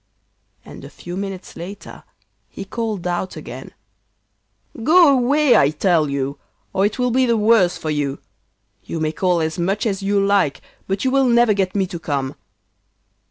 And a few minutes later he called out again: 'Go away, I tell you, or it will be the worse for you. You may call as much as you like but you will never get me to come.